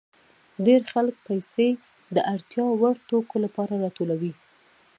ډېر خلک پیسې د اړتیا وړ توکو لپاره راټولوي